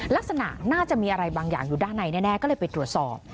ลักษณะน่าจะมีอะไรบางอย่างอยู่ด้านในแน่ก็เลยไปตรวจสอบ